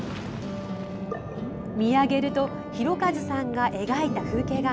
見上げると大和さんが描いた風景画。